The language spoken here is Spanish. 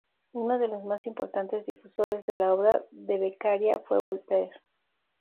Uno de los más importantes difusores de la obra de Beccaria fue Voltaire.